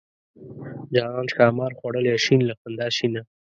جانان ښامار خوړلی شین له خندا شینه.